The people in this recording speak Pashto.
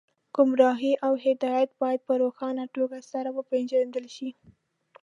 ګمراهي او هدایت باید په روښانه توګه سره وپېژندل شي